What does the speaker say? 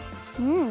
うん。